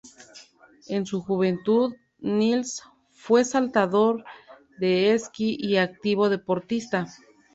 En su juventud Nils fue saltador de esquí y activo deportista.